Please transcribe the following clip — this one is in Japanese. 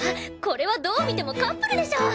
これはどう見てもカップルでしょ！